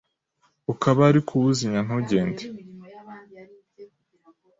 ukaba uri kuwuzimya ntugende.